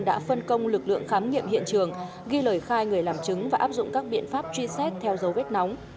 đã phân công lực lượng khám nghiệm hiện trường ghi lời khai người làm chứng và áp dụng các biện pháp truy xét theo dấu vết nóng